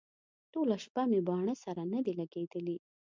ټوله شپه مې باڼه سره نه دي لګېدلي.